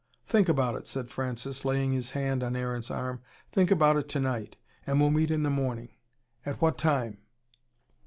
"Think about it," said Francis, laying his hand on Aaron's arm. "Think about it tonight. And we'll meet in the morning. At what time?"